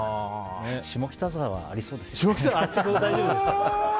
下北沢はありそうですね。